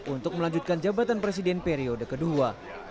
untuk melanjutkan jabatan presiden periode kedua